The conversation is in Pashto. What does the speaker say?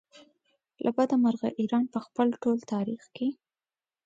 له بده مرغه ایران په خپل ټول تاریخ کې.